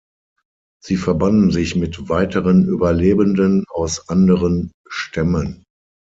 Sie verbanden sich mit weiteren Überlebenden aus anderen Stämmen.